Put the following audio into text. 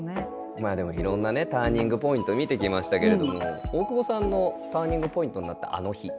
まあいろんなねターニングポイント見てきましたけれども大久保さんのターニングポイントになった「あの日」って？